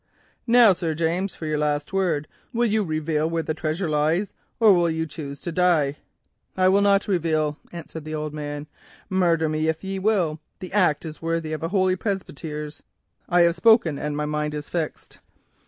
"'Now, Sir James, for your last word,' said the Roundhead. 'Will you reveal where the treasure lies, or will you choose to die?' "'I will not reveal,' answered the old man. 'Murder me if ye will. The deed is worthy of Holy Presbyters. I have spoken and my mind is fixed.